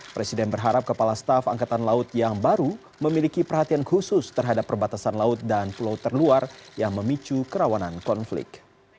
presiden berharap kepala staf angkatan laut yang baru memiliki perhatian khusus terhadap perbatasan laut dan pulau terluar yang memicu kerawanan konflik